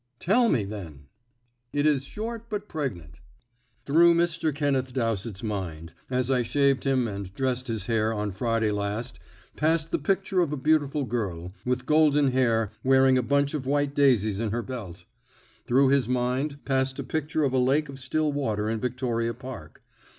"Tell me, then." "It is short but pregnant. Through Mr. Kenneth Dowsett's mind, as I shaved him and dressed his hair on Friday last, passed the picture of a beautiful girl, with golden hair, wearing a bunch of white daisies in her belt. Through his mind passed a picture of a lake of still water in Victoria Park.